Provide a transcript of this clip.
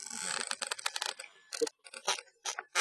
Amongst the people they had helped was Deng Xiaoping.